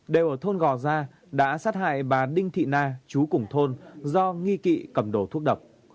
đều ở thôn gò gia đã sát hại bà đinh thị na chú cùng thôn do nghi kỵ cầm đồ thuốc độc